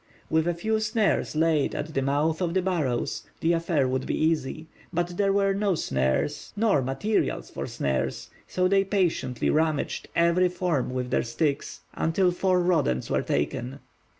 With a few snares laid at the mouth of the burrows, the affair would be easy; but there were no snares, nor materials for snares; so they patiently rummaged every form with their sticks, until four rodents were taken.